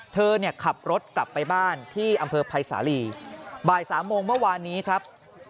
เธอเนี่ยขับรถกลับไปบ้านที่อำเภอภัยสาลีบ่าย๓โมงเมื่อวานนี้ครับ